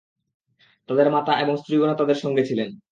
তাদের মাতা এবং স্ত্রীগণও তাদের সঙ্গে ছিলেন।